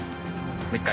もう１回。